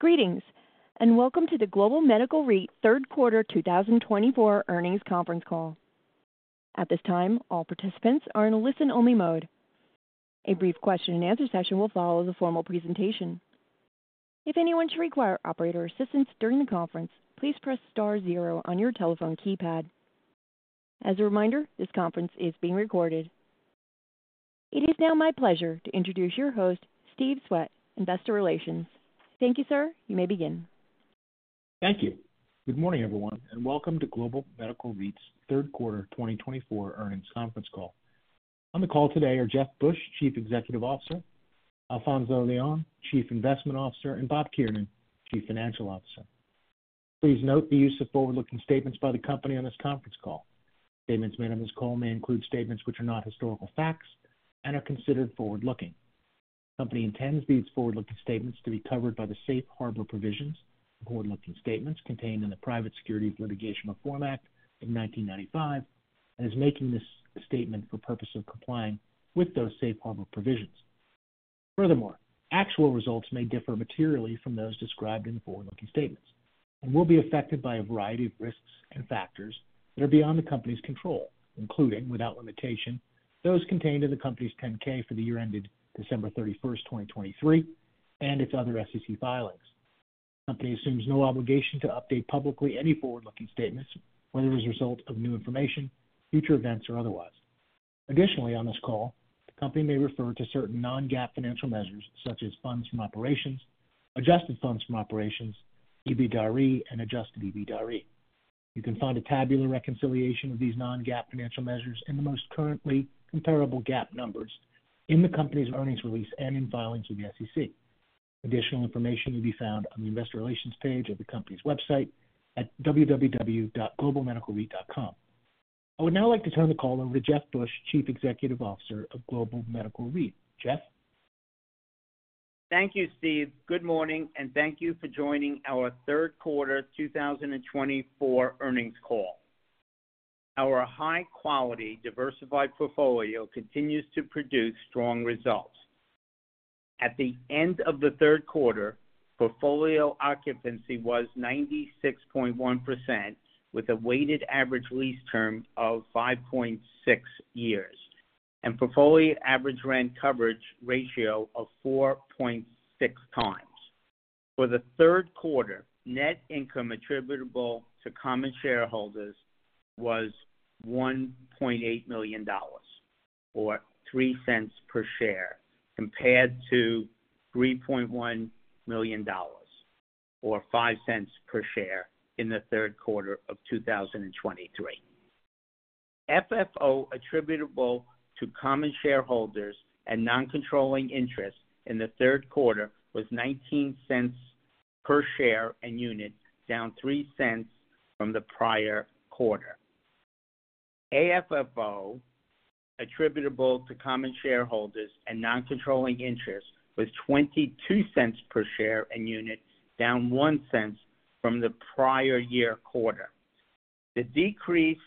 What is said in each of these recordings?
Greetings, and welcome to the Global Medical REIT Third Quarter 2024 earnings conference call. At this time, all participants are in a listen-only mode. A brief question-and-answer session will follow the formal presentation. If anyone should require operator assistance during the conference, please press star zero on your telephone keypad. As a reminder, this conference is being recorded. It is now my pleasure to introduce your host, Steve Swett, Investor Relations. Thank you, sir. You may begin. Thank you. Good morning, everyone, and welcome to Global Medical REIT's Third Quarter 2024 earnings conference call. On the call today are Jeff Busch, Chief Executive Officer; Alfonzo Leon, Chief Investment Officer; and Bob Kiernan, Chief Financial Officer. Please note the use of forward-looking statements by the company on this conference call. Statements made on this call may include statements which are not historical facts and are considered forward-looking. The company intends these forward-looking statements to be covered by the safe harbor provisions, forward-looking statements contained in the Private Securities Litigation Reform Act of 1995, and is making this statement for purpose of complying with those safe harbor provisions. Furthermore, actual results may differ materially from those described in the forward-looking statements and will be affected by a variety of risks and factors that are beyond the company's control, including, without limitation, those contained in the company's 10-K for the year ended December 31st, 2023, and its other SEC filings. The company assumes no obligation to update publicly any forward-looking statements, whether as a result of new information, future events, or otherwise. Additionally, on this call, the company may refer to certain non-GAAP financial measures, such as funds from operations, adjusted funds from operations, EBITDA REIT, and adjusted EBITDA REIT. You can find a tabular reconciliation of these non-GAAP financial measures and the most currently comparable GAAP numbers in the company's earnings release and in filings with the SEC. Additional information will be found on the Investor Relations page of the company's website at www.globalmedicalreit.com. I would now like to turn the call over to Jeff Busch, Chief Executive Officer of Global Medical REIT. Jeff? Thank you, Steve. Good morning, and thank you for joining our Third Quarter 2024 earnings call. Our high-quality, diversified portfolio continues to produce strong results. At the end of the third quarter, portfolio occupancy was 96.1%, with a weighted average lease term of 5.6 years and portfolio average rent coverage ratio of 4.6x. For the third quarter, net income attributable to common shareholders was $1.8 million, or $0.03 per share, compared to $3.1 million, or $0.05 per share in the third quarter of 2023. FFO attributable to common shareholders and non-controlling interest in the third quarter was $0.19 per share and unit, down $0.03 from the prior quarter. AFFO attributable to common shareholders and non-controlling interest was $0.22 per share and unit, down $0.01 from the prior year quarter. The decrease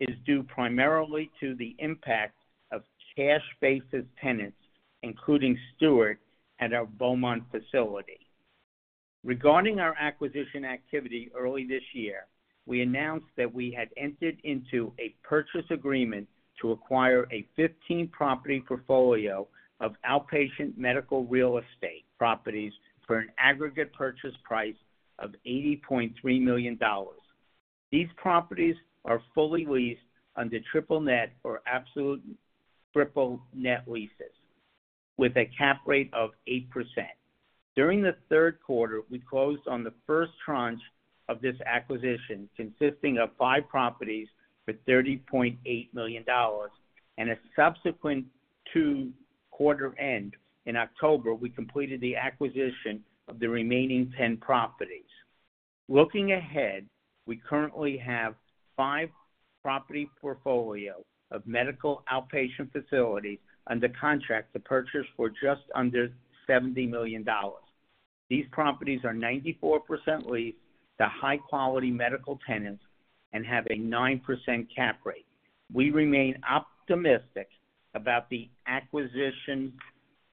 is due primarily to the impact of cash-basis tenants, including Steward, at our Beaumont facility. Regarding our acquisition activity early this year, we announced that we had entered into a purchase agreement to acquire a 15-property portfolio of outpatient medical real estate properties for an aggregate purchase price of $80.3 million. These properties are fully leased under triple net, or absolute triple net leases, with a cap rate of 8%. During the third quarter, we closed on the first tranche of this acquisition, consisting of five properties for $30.8 million, and a subsequent quarter-end in October, we completed the acquisition of the remaining 10 properties. Looking ahead, we currently have five property portfolios of medical outpatient facilities under contract to purchase for just under $70 million. These properties are 94% leased to high-quality medical tenants and have a 9% cap rate. We remain optimistic about the acquisition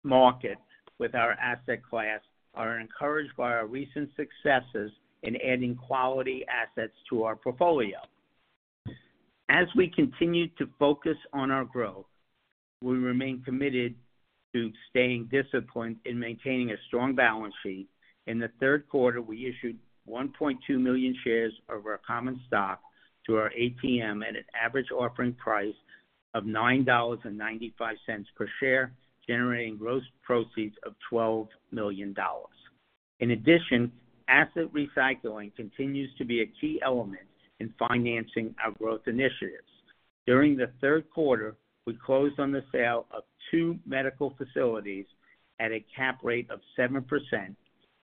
market with our asset class, are encouraged by our recent successes in adding quality assets to our portfolio. As we continue to focus on our growth, we remain committed to staying disciplined in maintaining a strong balance sheet. In the third quarter, we issued 1.2 million shares of our common stock to our ATM at an average offering price of $9.95 per share, generating gross proceeds of $12 million. In addition, asset recycling continues to be a key element in financing our growth initiatives. During the third quarter, we closed on the sale of two medical facilities at a cap rate of 7%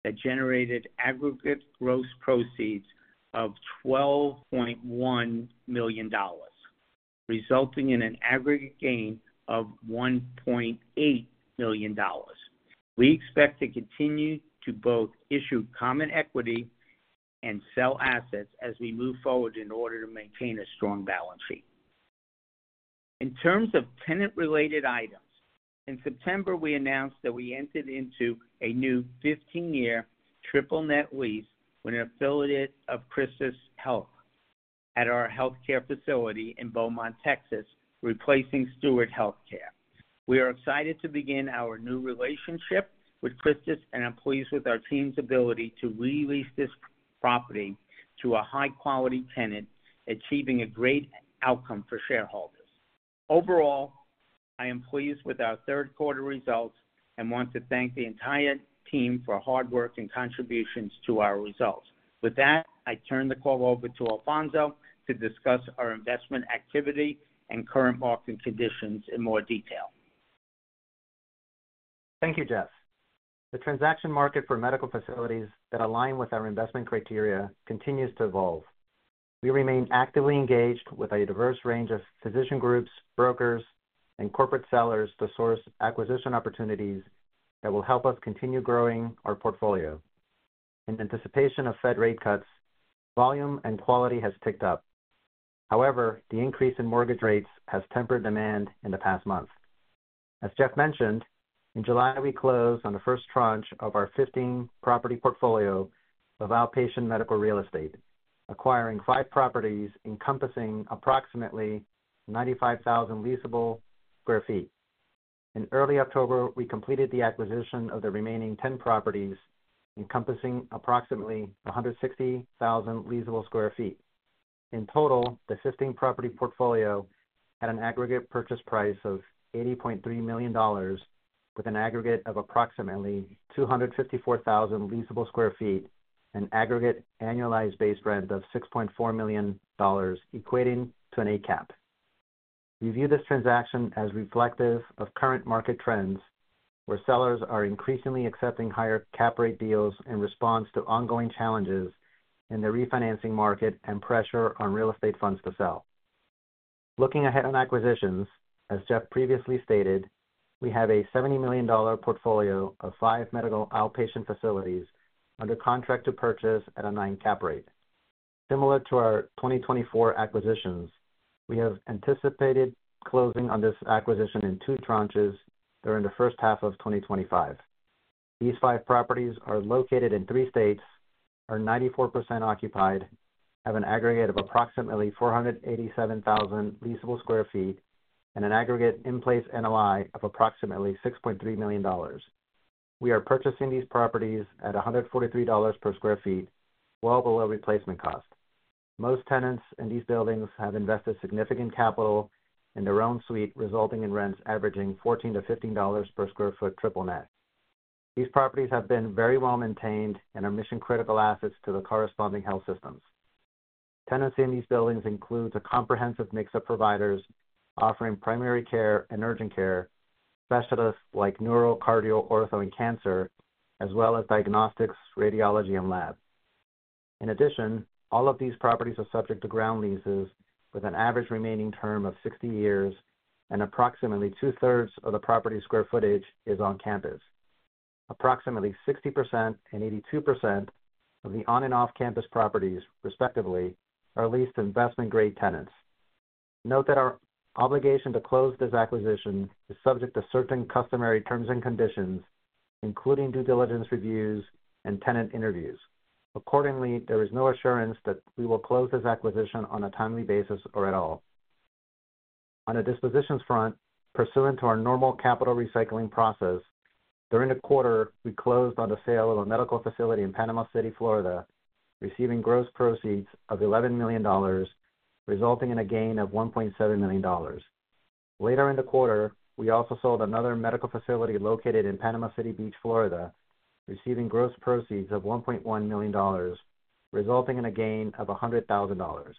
that generated aggregate gross proceeds of $12.1 million, resulting in an aggregate gain of $1.8 million. We expect to continue to both issue common equity and sell assets as we move forward in order to maintain a strong balance sheet. In terms of tenant-related items, in September, we announced that we entered into a new 15-year triple net lease with an affiliate of Christus Health at our healthcare facility in Beaumont, Texas, replacing Steward Healthcare. We are excited to begin our new relationship with Christus, and I'm pleased with our team's ability to re-lease this property to a high-quality tenant, achieving a great outcome for shareholders. Overall, I am pleased with our third-quarter results and want to thank the entire team for hard work and contributions to our results. With that, I turn the call over to Alfonzo to discuss our investment activity and current market conditions in more detail. Thank you, Jeff. The transaction market for medical facilities that align with our investment criteria continues to evolve. We remain actively engaged with a diverse range of physician groups, brokers, and corporate sellers to source acquisition opportunities that will help us continue growing our portfolio. In anticipation of Fed rate cuts, volume and quality have ticked up. However, the increase in mortgage rates has tempered demand in the past month. As Jeff mentioned, in July, we closed on the first tranche of our 15-property portfolio of outpatient medical real estate, acquiring five properties encompassing approximately 95,000 leasable sq ft. In early October, we completed the acquisition of the remaining 10 properties encompassing approximately 160,000 leasable sq ft. In total, the 15-property portfolio had an aggregate purchase price of $80.3 million, with an aggregate of approximately 254,000 leasable sq ft, an aggregate annualized base rent of $6.4 million, equating to an ACAP. We view this transaction as reflective of current market trends, where sellers are increasingly accepting higher cap rate deals in response to ongoing challenges in the refinancing market and pressure on real estate funds to sell. Looking ahead on acquisitions, as Jeff previously stated, we have a $70 million portfolio of five medical outpatient facilities under contract to purchase at a nine cap rate. Similar to our 2024 acquisitions, we have anticipated closing on this acquisition in two tranches during the first half of 2025. These five properties are located in three states, are 94% occupied, have an aggregate of approximately 487,000 leasable sq ft, and an aggregate in place NOI of approximately $6.3 million. We are purchasing these properties at $143 per sq ft, well below replacement cost. Most tenants in these buildings have invested significant capital in their own suite, resulting in rents averaging $14-$15 per sq ft triple net. These properties have been very well maintained and are mission-critical assets to the corresponding health systems. Tenancy in these buildings includes a comprehensive mix of providers offering primary care and urgent care, specialists like neuro, cardio, ortho, and cancer, as well as diagnostics, radiology, and lab. In addition, all of these properties are subject to ground leases, with an average remaining term of 60 years, and approximately two-thirds of the property's square footage is on campus. Approximately 60% and 82% of the on- and off-campus properties, respectively, are leased to investment-grade tenants. Note that our obligation to close this acquisition is subject to certain customary terms and conditions, including due diligence reviews and tenant interviews. Accordingly, there is no assurance that we will close this acquisition on a timely basis or at all. On the dispositions front, pursuant to our normal capital recycling process, during the quarter, we closed on the sale of a medical facility in Panama City, Florida, receiving gross proceeds of $11 million, resulting in a gain of $1.7 million. Later in the quarter, we also sold another medical facility located in Panama City Beach, Florida, receiving gross proceeds of $1.1 million, resulting in a gain of $100,000.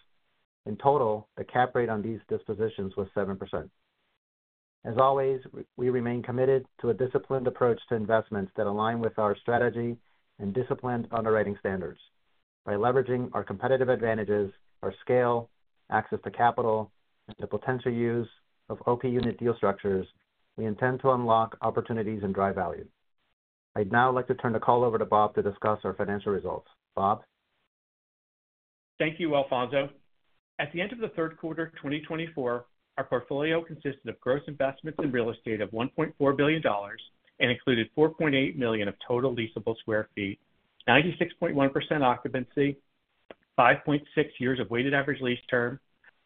In total, the cap rate on these dispositions was 7%. As always, we remain committed to a disciplined approach to investments that align with our strategy and disciplined underwriting standards. By leveraging our competitive advantages, our scale, access to capital, and the potential use of OP unit deal structures, we intend to unlock opportunities and drive value. I'd now like to turn the call over to Bob to discuss our financial results. Bob? Thank you, Alfonzo. At the end of the third quarter 2024, our portfolio consisted of gross investments in real estate of $1.4 billion and included 4.8 million of total leasable sq ft, 96.1% occupancy, 5.6 years of weighted average lease term,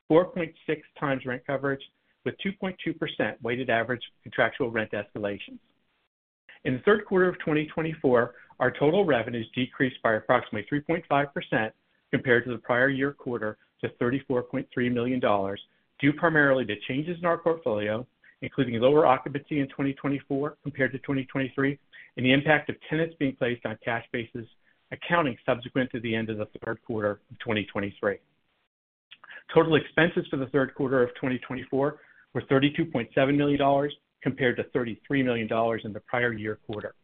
4.6 times rent coverage with 2.2% weighted average contractual rent escalations. In the third quarter of 2024, our total revenues decreased by approximately 3.5% compared to the prior year quarter to $34.3 million, due primarily to changes in our portfolio, including lower occupancy in 2024 compared to 2023, and the impact of tenants being placed on cash basis accounting subsequent to the end of the third quarter of 2023. Total expenses for the third quarter of 2024 were $32.7 million compared to $33 million in the prior year quarter.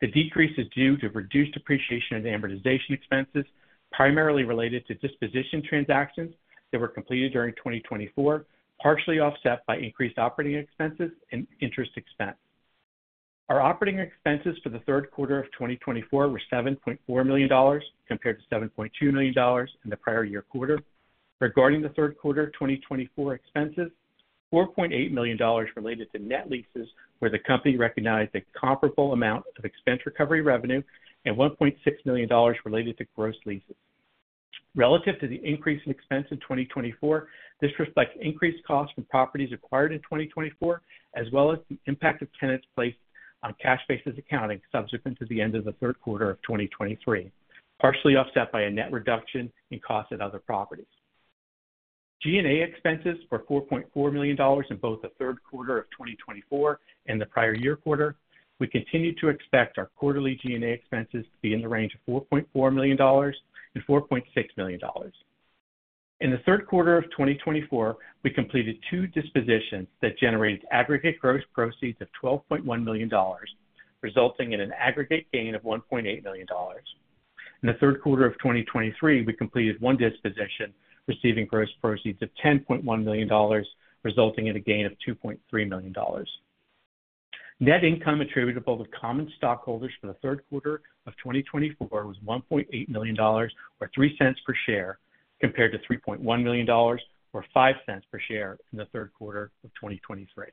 The decrease is due to reduced depreciation and amortization expenses, primarily related to disposition transactions that were completed during 2024, partially offset by increased operating expenses and interest expense. Our operating expenses for the third quarter of 2024 were $7.4 million compared to $7.2 million in the prior year quarter. Regarding the third quarter 2024 expenses, $4.8 million related to net leases, where the company recognized a comparable amount of expense recovery revenue, and $1.6 million related to gross leases. Relative to the increase in expense in 2024, this reflects increased costs from properties acquired in 2024, as well as the impact of tenants placed on cash basis accounting subsequent to the end of the third quarter of 2023, partially offset by a net reduction in costs at other properties. G&A expenses were $4.4 million in both the third quarter of 2024 and the prior year quarter. We continue to expect our quarterly G&A expenses to be in the range of $4.4 million and $4.6 million. In the third quarter of 2024, we completed two dispositions that generated aggregate gross proceeds of $12.1 million, resulting in an aggregate gain of $1.8 million. In the third quarter of 2023, we completed one disposition receiving gross proceeds of $10.1 million, resulting in a gain of $2.3 million. Net income attributable to common stockholders for the third quarter of 2024 was $1.8 million, or $0.03 per share, compared to $3.1 million, or $0.05 per share in the third quarter of 2023.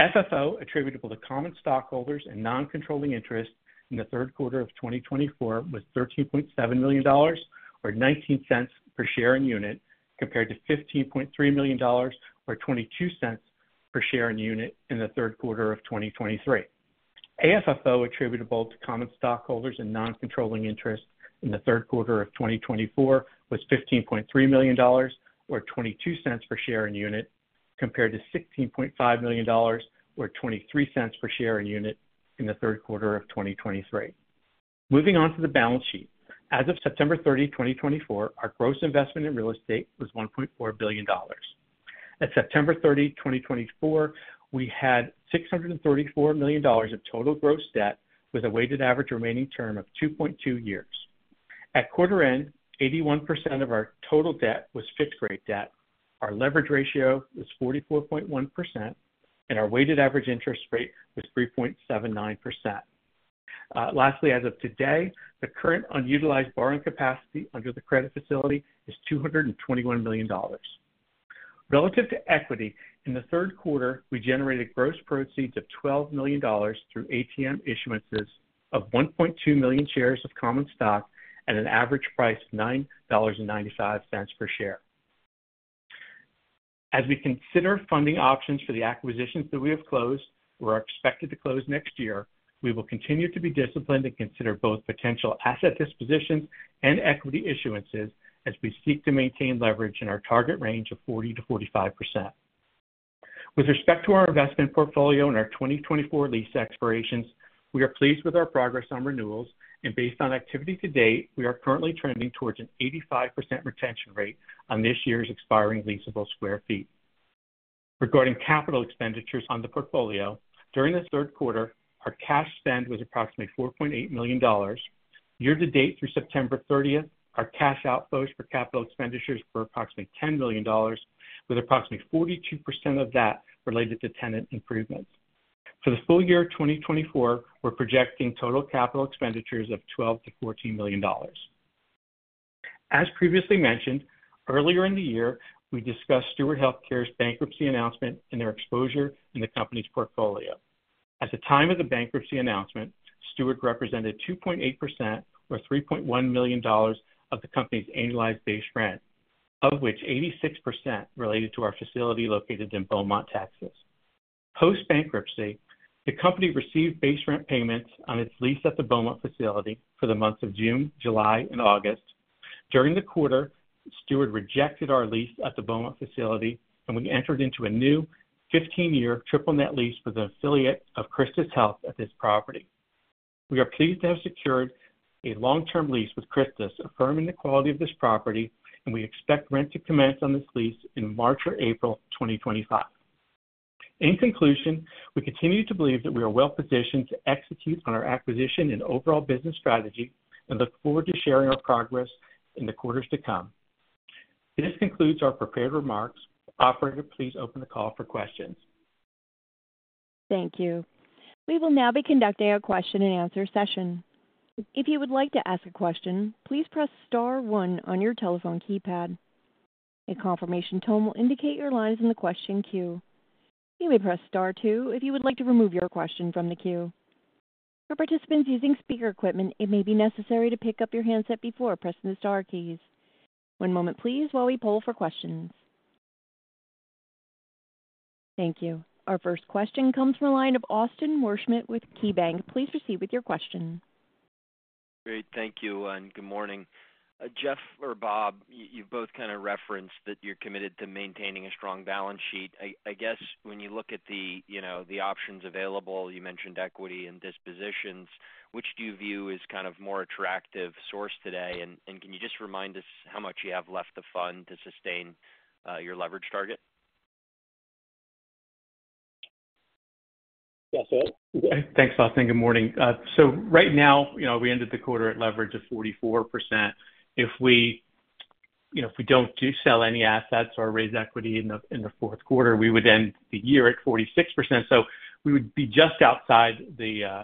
FFO attributable to common stockholders and non-controlling interest in the third quarter of 2024 was $13.7 million, or $0.19 per share and unit, compared to $15.3 million, or $0.22 per share and unit in the third quarter of 2023. AFFO attributable to common stockholders and non-controlling interest in the third quarter of 2024 was $15.3 million, or $0.22 per share and unit, compared to $16.5 million, or $0.23 per share and unit in the third quarter of 2023. Moving on to the balance sheet. As of September 30, 2024, our gross investment in real estate was $1.4 billion. At September 30, 2024, we had $634 million of total gross debt with a weighted average remaining term of 2.2 years. At quarter end, 81% of our total debt was fixed-rate debt. Our leverage ratio was 44.1%, and our weighted average interest rate was 3.79%. Lastly, as of today, the current unutilized borrowing capacity under the credit facility is $221 million. Relative to equity, in the third quarter, we generated gross proceeds of $12 million through ATM issuance of 1.2 million shares of common stock at an average price of $9.95 per share. As we consider funding options for the acquisitions that we have closed or are expected to close next year, we will continue to be disciplined and consider both potential asset dispositions and equity issuances as we seek to maintain leverage in our target range of 40%-45%. With respect to our investment portfolio and our 2024 lease expirations, we are pleased with our progress on renewals, and based on activity to date, we are currently trending towards an 85% retention rate on this year's expiring leasable square feet. Regarding capital expenditures on the portfolio, during the third quarter, our cash spend was approximately $4.8 million. Year-to-date through September 30, our cash outflows for capital expenditures were approximately $10 million, with approximately 42% of that related to tenant improvements. For the full year of 2024, we're projecting total capital expenditures of $12-$14 million. As previously mentioned, earlier in the year, we discussed Steward Healthcare's bankruptcy announcement and their exposure in the company's portfolio. At the time of the bankruptcy announcement, Steward represented 2.8%, or $3.1 million, of the company's annualized base rent, of which 86% related to our facility located in Beaumont, Texas. Post-bankruptcy, the company received base rent payments on its lease at the Beaumont facility for the months of June, July, and August. During the quarter, Steward rejected our lease at the Beaumont facility, and we entered into a new 15-year triple net lease with an affiliate of Christus Health at this property. We are pleased to have secured a long-term lease with Christus, affirming the quality of this property, and we expect rent to commence on this lease in March or April 2025. In conclusion, we continue to believe that we are well-positioned to execute on our acquisition and overall business strategy and look forward to sharing our progress in the quarters to come. This concludes our prepared remarks. Operator, please open the call for questions. Thank you. We will now be conducting a question-and-answer session. If you would like to ask a question, please press star one on your telephone keypad. A confirmation tone will indicate your line is in the question queue. You may press star 2 if you would like to remove your question from the queue. For participants using speaker equipment, it may be necessary to pick up your handset before pressing the star keys. One moment, please, while we pull for questions. Thank you. Our first question comes from a line of Austin Worsham with KeyBanc. Please proceed with your question. Great. Thank you, and good morning. Jeff or Bob, you've both kind of referenced that you're committed to maintaining a strong balance sheet. I guess when you look at the options available, you mentioned equity and dispositions. Which do you view as kind of more attractive source today? And can you just remind us how much you have left the fund to sustain your leverage target? Yes, sir. Thanks, Austin. Good morning. So right now, we ended the quarter at leverage of 44%. If we don't sell any assets or raise equity in the fourth quarter, we would end the year at 46%. So we would be just outside the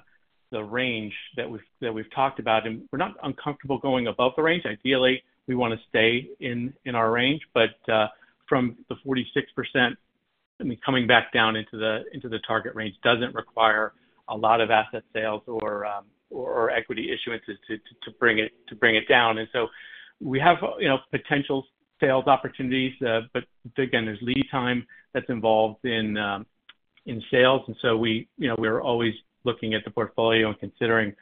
range that we've talked about. And we're not uncomfortable going above the range. Ideally, we want to stay in our range. But from the 46%, I mean, coming back down into the target range doesn't require a lot of asset sales or equity issuances to bring it down. And so we have potential sales opportunities. But again, there's lead time that's involved in sales. And so we're always looking at the portfolio and considering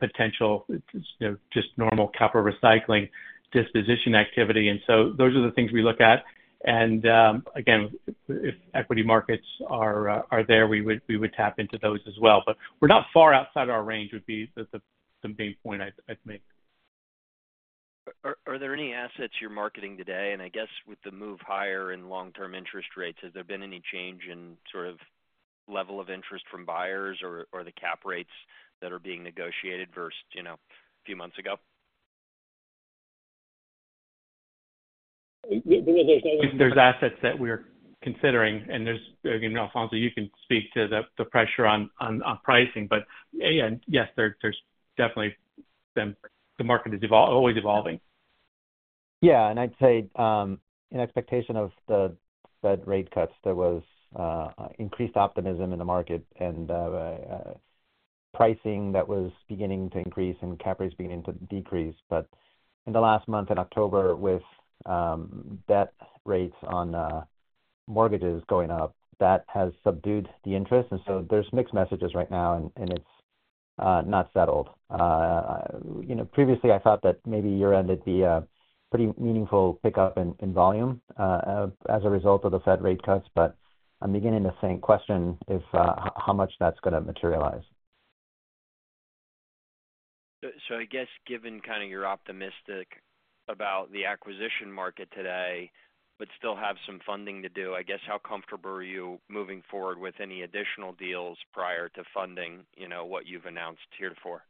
potential just normal capital recycling disposition activity. And so those are the things we look at. And again, if equity markets are there, we would tap into those as well. But we're not far outside of our range, would be the main point I'd make. Are there any assets you're marketing today? And I guess with the move higher in long-term interest rates, has there been any change in sort of level of interest from buyers or the cap rates that are being negotiated versus a few months ago? There's assets that we're considering. And again, Alfonzo, you can speak to the pressure on pricing. But again, yes, there's definitely the market is always evolving. Yeah. And I'd say in expectation of the Fed rate cuts, there was increased optimism in the market and pricing that was beginning to increase and cap rates beginning to decrease. But in the last month in October with debt rates on mortgages going up, that has subdued the interest. And so there's mixed messages right now, and it's not settled. Previously, I thought that maybe year-end would be a pretty meaningful pickup in volume as a result of the Fed rate cuts. But I'm beginning to question how much that's going to materialize. I guess, given kind of you're optimistic about the acquisition market today, but still have some funding to do. I guess, how comfortable are you moving forward with any additional deals prior to funding what you've announced here for?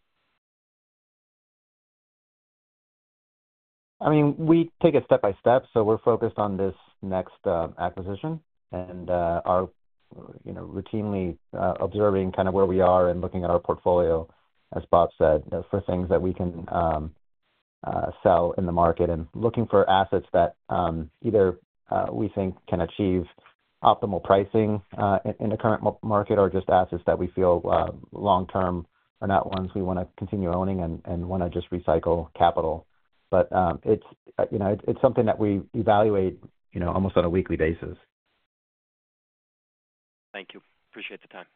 I mean, we take it step by step. So we're focused on this next acquisition and are routinely observing kind of where we are and looking at our portfolio, as Bob said, for things that we can sell in the market and looking for assets that either we think can achieve optimal pricing in the current market or just assets that we feel long-term are not ones we want to continue owning and want to just recycle capital. But it's something that we evaluate almost on a weekly basis. Thank you. Appreciate the time.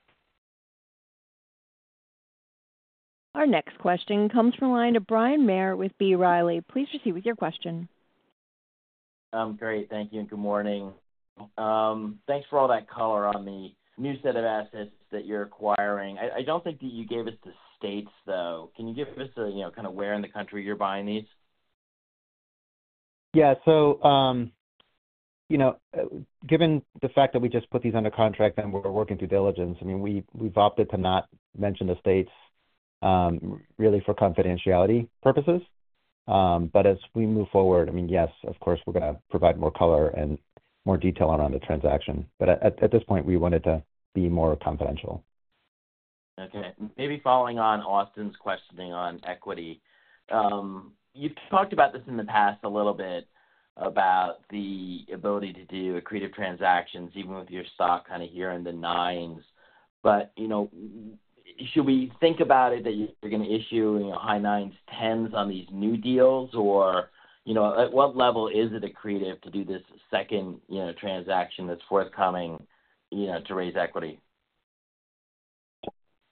Our next question comes from a line of Bryan Maher with B. Riley Securities. Please proceed with your question. Great. Thank you. Good morning. Thanks for all that color on the new set of assets that you're acquiring. I don't think that you gave us the states, though. Can you give us kind of where in the country you're buying these? Yeah. So given the fact that we just put these under contract and we're working through diligence, I mean, we've opted to not mention the states really for confidentiality purposes. But as we move forward, I mean, yes, of course, we're going to provide more color and more detail around the transaction. But at this point, we want it to be more confidential. Okay. Maybe following on Austin's questioning on equity, you've talked about this in the past a little bit about the ability to do accretive transactions even with your stock kind of here in the nines. But should we think about it that you're going to issue high nines, tens on these new deals, or at what level is it accretive to do this second transaction that's forthcoming to raise equity?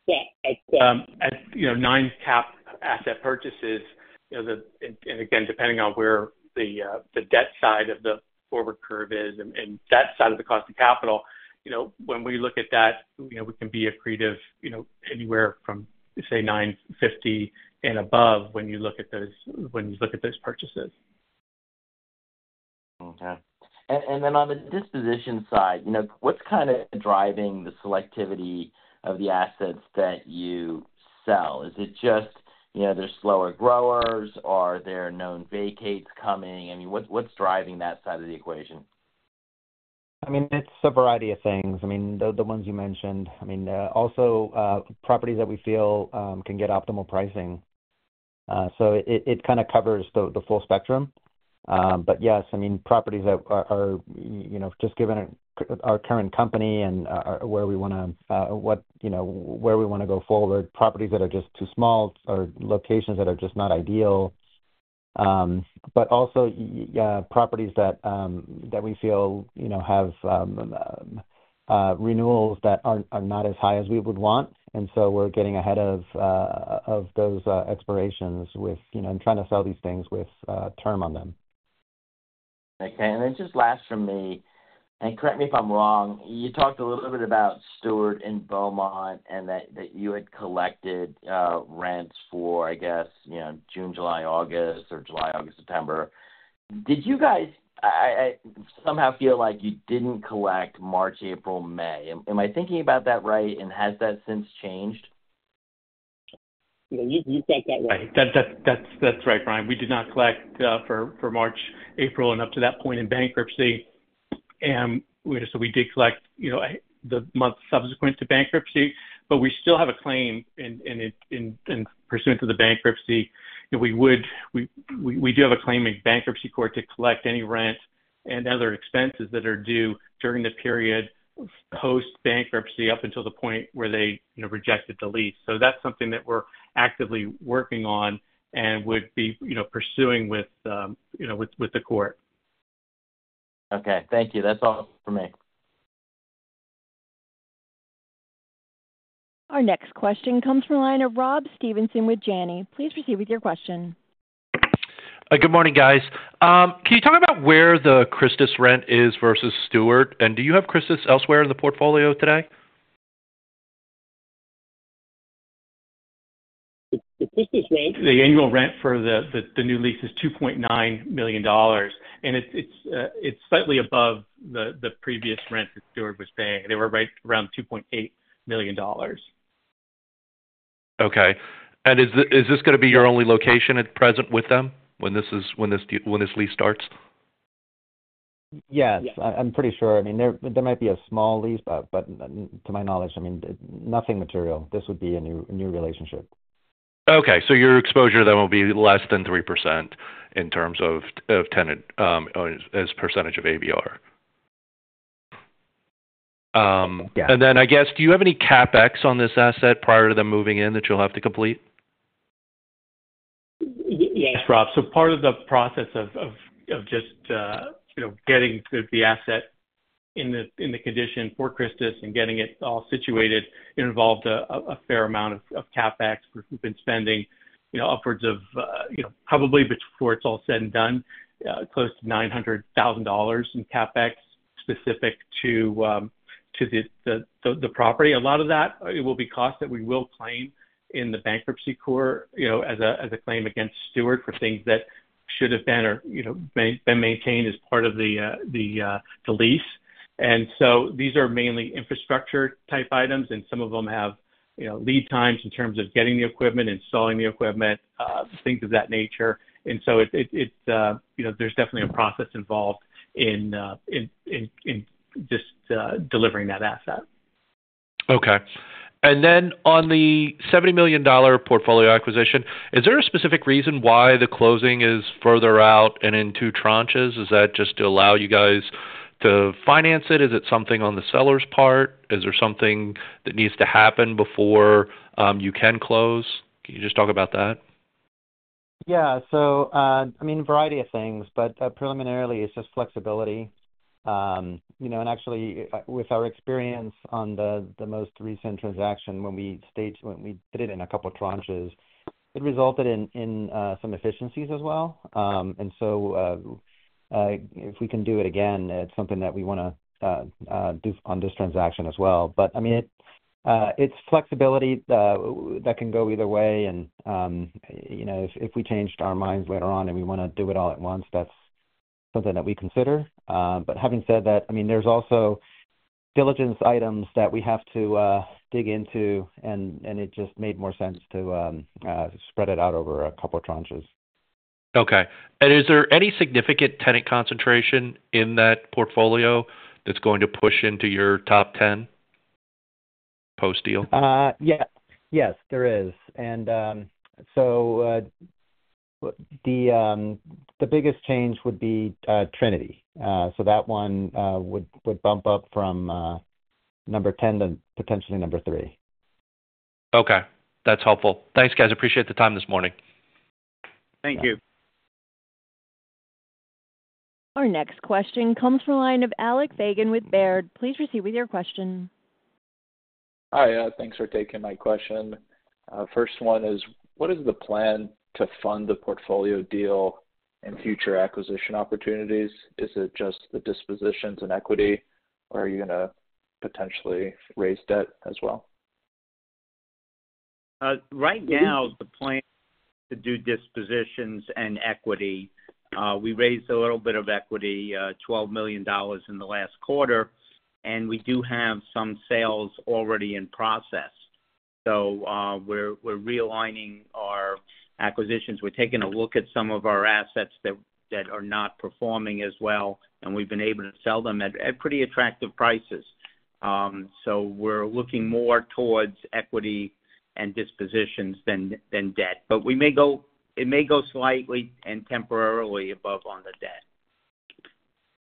Yeah. Nine cap asset purchases. And again, depending on where the debt side of the forward curve is and that side of the cost of capital, when we look at that, we can be accretive anywhere from, say, 950 and above when you look at those purchases. Okay. And then on the disposition side, what's kind of driving the selectivity of the assets that you sell? Is it just there's slower growers or there are known vacates coming? I mean, what's driving that side of the equation? I mean, it's a variety of things. I mean, the ones you mentioned. I mean, also properties that we feel can get optimal pricing. So it kind of covers the full spectrum. But yes, I mean, properties that are just given our current company and where we want to go forward, properties that are just too small or locations that are just not ideal. But also properties that we feel have renewals that are not as high as we would want. And so we're getting ahead of those expirations with and trying to sell these things with term on them. Okay. And then just last from me, and correct me if I'm wrong, you talked a little bit about Steward and Beaumont and that you had collected rents for, I guess, June, July, August, or July, August, September. Did you guys somehow feel like you didn't collect March, April, May? Am I thinking about that right? And has that since changed? You said that. Right. That's right, Bryan. We did not collect for March, April, and up to that point in bankruptcy, and so we did collect the month subsequent to bankruptcy, but we still have a claim pursuant to the bankruptcy. We do have a claim in bankruptcy court to collect any rent and other expenses that are due during the period post-bankruptcy up until the point where they rejected the lease, so that's something that we're actively working on and would be pursuing with the court. Okay. Thank you. That's all from me. Our next question comes from a line of Rob Stevenson with Janney. Please proceed with your question. Good morning, guys. Can you talk about where the Christus rent is versus Steward? And do you have Christus elsewhere in the portfolio today? The Christus rent, the annual rent for the new lease is $2.9 million, and it's slightly above the previous rent that Steward was paying. They were right around $2.8 million. Okay. And is this going to be your only location at present with them when this lease starts? Yes. I'm pretty sure. I mean, there might be a small lease, but to my knowledge, I mean, nothing material. This would be a new relationship. Okay. So your exposure, then, will be less than 3% in terms of tenant as percentage of ABR. Yes. I guess, do you have any CapEx on this asset prior to them moving in that you'll have to complete? Yes, Rob. So part of the process of just getting the asset in the condition for Christus and getting it all situated involved a fair amount of CapEx. We've been spending upwards of probably before it's all said and done, close to $900,000 in CapEx specific to the property. A lot of that will be costs that we will claim in the bankruptcy court as a claim against Steward for things that should have been or been maintained as part of the lease. And so these are mainly infrastructure-type items. And some of them have lead times in terms of getting the equipment, installing the equipment, things of that nature. And so there's definitely a process involved in just delivering that asset. Okay. And then on the $70 million portfolio acquisition, is there a specific reason why the closing is further out and in two tranches? Is that just to allow you guys to finance it? Is it something on the seller's part? Is there something that needs to happen before you can close? Can you just talk about that? Yeah. So I mean, a variety of things, but preliminarily, it's just flexibility, and actually, with our experience on the most recent transaction, when we did it in a couple of tranches, it resulted in some efficiencies as well, and so if we can do it again, it's something that we want to do on this transaction as well, but I mean, it's flexibility that can go either way, and if we changed our minds later on and we want to do it all at once, that's something that we consider, but having said that, I mean, there's also due diligence items that we have to dig into, and it just made more sense to spread it out over a couple of tranches. Okay. And is there any significant tenant concentration in that portfolio that's going to push into your top 10 post-deal? Yes. Yes, there is, and so the biggest change would be Trinity, so that one would bump up from number 10 to potentially number three. Okay. That's helpful. Thanks, guys. Appreciate the time this morning. Thank you. Our next question comes from a line of Alec Fagan with Baird. Please proceed with your question. Hi. Thanks for taking my question. First one is, what is the plan to fund the portfolio deal and future acquisition opportunities? Is it just the dispositions and equity, or are you going to potentially raise debt as well? Right now, the plan is to do dispositions and equity. We raised a little bit of equity, $12 million in the last quarter. And we do have some sales already in process. So we're realigning our acquisitions. We're taking a look at some of our assets that are not performing as well. And we've been able to sell them at pretty attractive prices. So we're looking more towards equity and dispositions than debt. But it may go slightly and temporarily above on the debt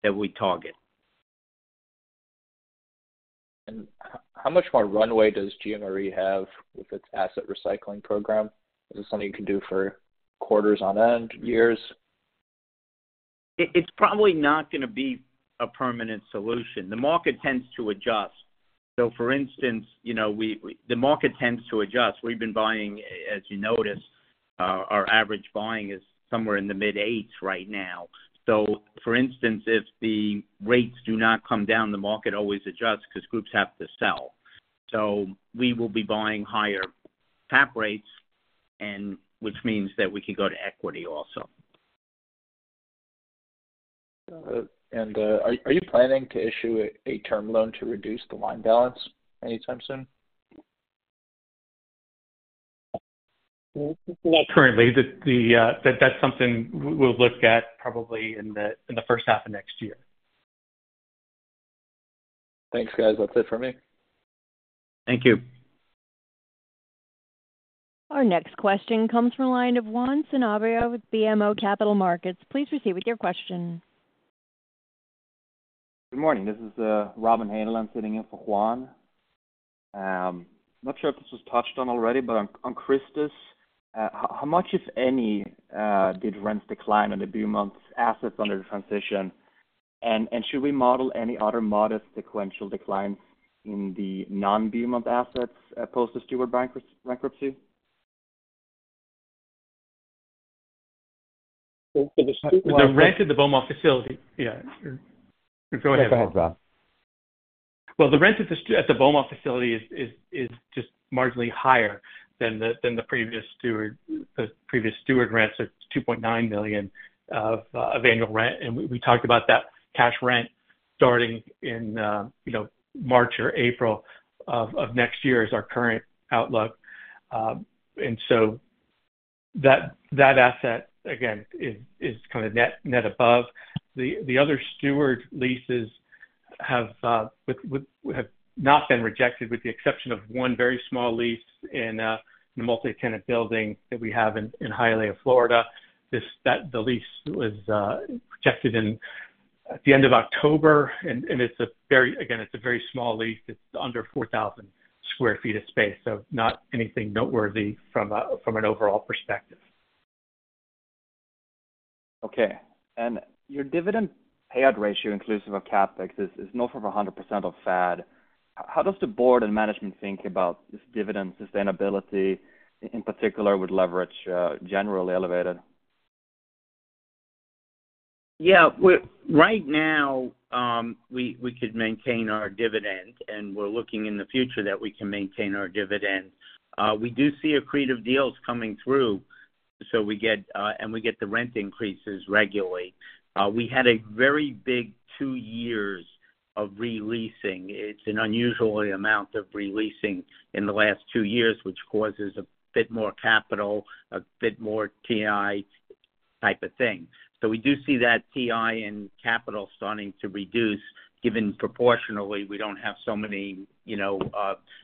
that we target. How much more runway does GMRE have with its asset recycling program? Is this something you can do for quarters on end, years? It's probably not going to be a permanent solution. The market tends to adjust. So for instance, the market tends to adjust. We've been buying, as you noticed, our average buying is somewhere in the mid-8s right now. So for instance, if the rates do not come down, the market always adjusts because groups have to sell. So we will be buying higher cap rates, which means that we can go to equity also. Are you planning to issue a term loan to reduce the line balance anytime soon? Not currently. That's something we'll look at probably in the first half of next year. Thanks, guys. That's it for me. Thank you. Our next question comes from a line of Juan Sanabria with BMO Capital Markets. Please proceed with your question. Good morning. This is Robin Hanel. I'm sitting in for Juan. I'm not sure if this was touched on already, but on Christus, how much, if any, did rents decline in the BMO assets under the transition? And should we model any other modest sequential declines in the non-BMO assets post the Steward bankruptcy? The rent at the Beaumont facility, yeah. Go ahead. No problem, Juan. The rent at the Beaumont facility is just marginally higher than the previous Steward rents of $2.9 million of annual rent. We talked about that cash rent starting in March or April of next year as our current outlook. That asset, again, is kind of net above. The other Steward leases have not been rejected with the exception of one very small lease in a multi-tenant building that we have in Hialeah, Florida. The lease was rejected at the end of October. Again, it's a very small lease. It's under 4,000 sq ft of space. Not anything noteworthy from an overall perspective. Okay. And your dividend payout ratio, inclusive of CapEx, is north of 100% of FAD. How does the board and management think about this dividend sustainability, in particular with leverage generally elevated? Yeah. Right now, we could maintain our dividend. And we're looking in the future that we can maintain our dividend. We do see accretive deals coming through. And we get the rent increases regularly. We had a very big two years of releasing. It's an unusual amount of releasing in the last two years, which causes a bit more capital, a bit more TI type of thing. So we do see that TI and capital starting to reduce given proportionally we don't have so many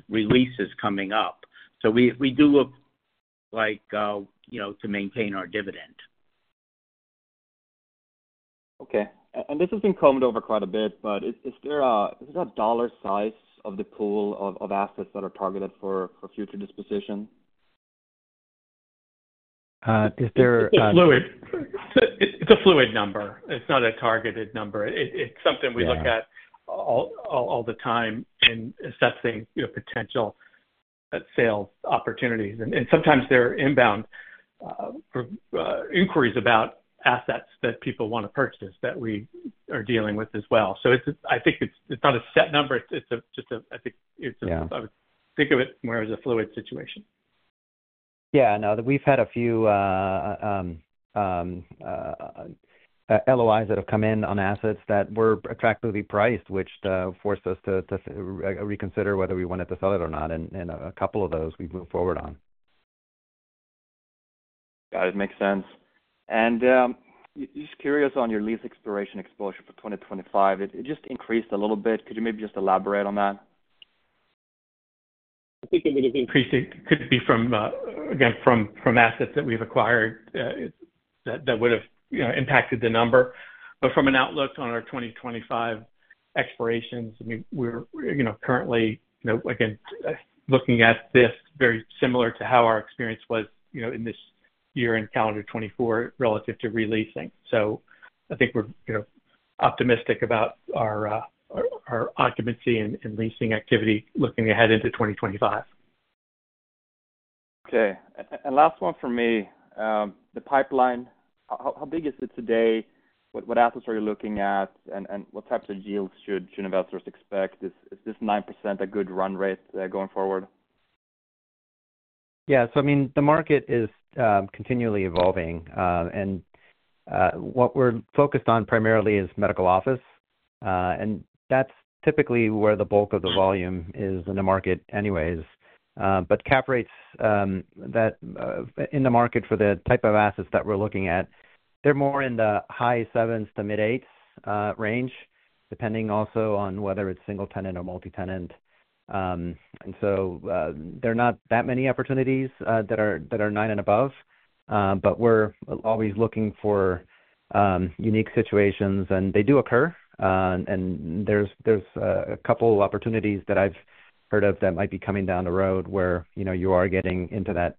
releases coming up. So we do look like to maintain our dividend. Okay. And this has been commented over quite a bit. But is there a dollar size of the pool of assets that are targeted for future disposition? It's a fluid number. It's not a targeted number. It's something we look at all the time in assessing potential sales opportunities. And sometimes there are inbound inquiries about assets that people want to purchase that we are dealing with as well. So I think it's not a set number. It's just. I think it's. I would think of it more as a fluid situation. Yeah. No, we've had a few LOIs that have come in on assets that were attractively priced, which forced us to reconsider whether we wanted to sell it or not. And a couple of those we've moved forward on. Got it. Makes sense. And just curious on your lease expiration exposure for 2025. It just increased a little bit. Could you maybe just elaborate on that? I think it would have increased. It could be from, again, from assets that we've acquired that would have impacted the number. But from an outlook on our 2025 expirations, I mean, we're currently, again, looking at this very similar to how our experience was in this year in calendar 2024 relative to releasing. So I think we're optimistic about our occupancy and leasing activity looking ahead into 2025. Okay. And last one for me. The pipeline, how big is it today? What assets are you looking at? And what types of deals should investors expect? Is this 9% a good run rate going forward? Yeah. So I mean, the market is continually evolving. And what we're focused on primarily is medical office. And that's typically where the bulk of the volume is in the market anyways. But cap rates in the market for the type of assets that we're looking at, they're more in the high 7s to mid-8s range, depending also on whether it's single-tenant or multi-tenant. And so there are not that many opportunities that are 9 and above. But we're always looking for unique situations. And they do occur. And there's a couple of opportunities that I've heard of that might be coming down the road where you are getting into that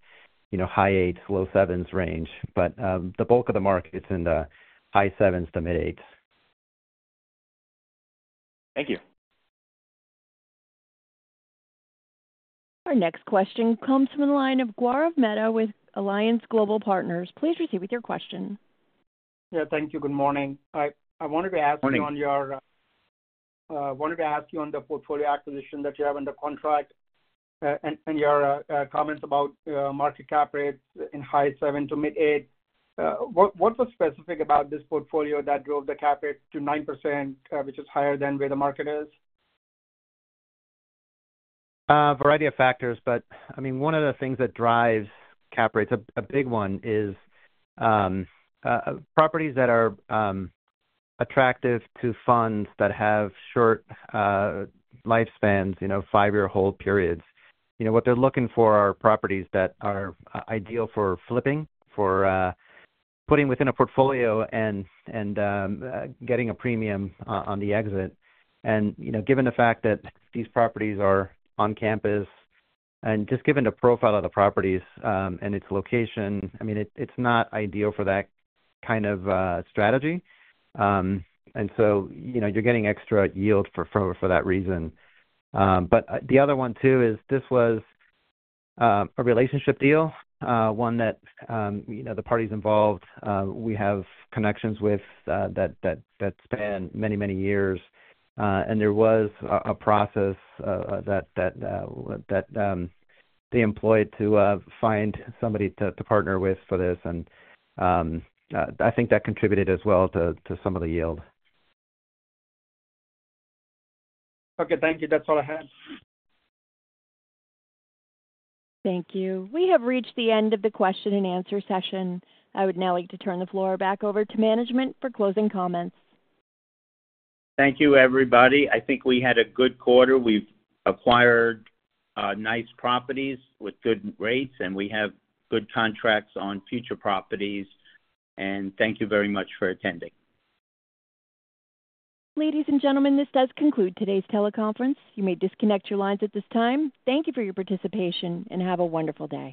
high 8s, low 7s range. But the bulk of the market's in the high 7s to mid-8s. Thank you. Our next question comes from a line of Gaurav Mehta with Alliance Global Partners. Please proceed with your question. Yeah. Thank you. Good morning. I wanted to ask you on the portfolio acquisition that you have in the contract and your comments about market cap rates in high 7% to mid-8%. What was specific about this portfolio that drove the cap rate to 9%, which is higher than where the market is? A variety of factors, but I mean, one of the things that drives cap rates, a big one, is properties that are attractive to funds that have short lifespans, five-year hold periods. What they're looking for are properties that are ideal for flipping, for putting within a portfolio and getting a premium on the exit, and given the fact that these properties are on campus and just given the profile of the properties and its location, I mean, it's not ideal for that kind of strategy, and so you're getting extra yield for that reason, but the other one, too, is this was a relationship deal, one that the parties involved we have connections with that span many, many years, and there was a process that they employed to find somebody to partner with for this, and I think that contributed as well to some of the yield. Okay. Thank you. That's all I had. Thank you. We have reached the end of the question and answer session. I would now like to turn the floor back over to management for closing comments. Thank you, everybody. I think we had a good quarter. We've acquired nice properties with good rates, and we have good contracts on future properties, and thank you very much for attending. Ladies and gentlemen, this does conclude today's teleconference. You may disconnect your lines at this time. Thank you for your participation. And have a wonderful day.